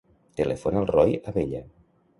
Telefona al Roi Abella.